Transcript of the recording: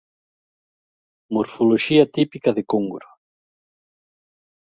Morfoloxía típica de congro.